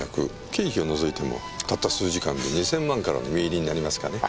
経費を除いてもたった数時間で２０００万からの実入りになりますかね。